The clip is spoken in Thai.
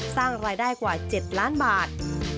สร้างรายได้กว่า๗ล้านบาท